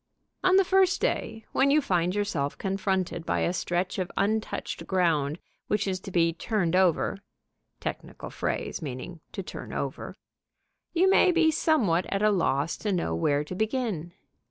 On the first day, when you find yourself confronted by a stretch of untouched ground which is to be turned over (technical phrase, meaning to "turn over"), you may be somewhat at a loss to know where to begin.